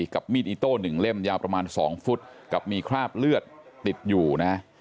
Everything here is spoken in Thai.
กับมีดอิโต้๑เล่มยาวประมาณ๒ฟุตกับมีคราบเลือดติดอยู่นะ